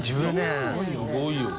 すごいよね。